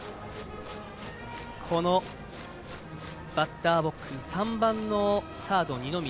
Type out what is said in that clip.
このバッターボックス３番サード、二宮。